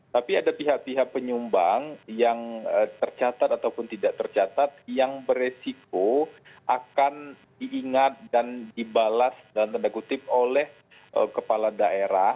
tapi ada pihak pihak penyumbang yang tercatat ataupun tidak tercatat yang beresiko akan diingat dan dibalas dalam tanda kutip oleh kepala daerah